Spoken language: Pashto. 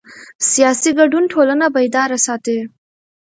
سیاسي ګډون ټولنه بیداره ساتي